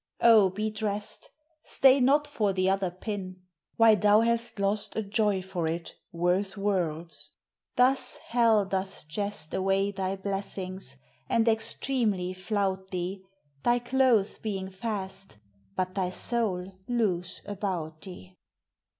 O, be drest! Stay not for th' other pin: why thou hast lost A joy for it worth worlds. Thus hell doth jest Away thy blessings, and extremely flout thee, Thy clothes being fast, but thy soul loose about thee.